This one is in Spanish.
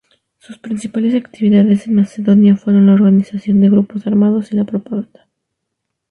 Sus principales actividades en Macedonia fueron la organización de grupos armados y la propaganda.